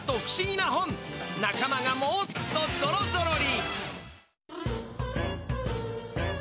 なかまがもっとぞろぞろり！